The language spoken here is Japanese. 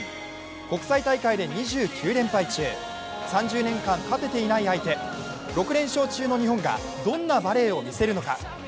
国際大会で２９連敗中、３０年間勝てていない相手、６連勝中の日本がどんなバレーを見せるのか。